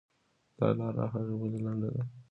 دا لار له هغې بلې لنډه ده.